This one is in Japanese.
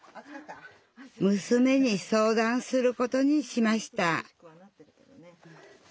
むすめに相談することにしました